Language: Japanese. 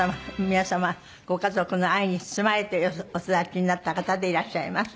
皆様ご家族の愛に包まれてお育ちになった方でいらっしゃいます。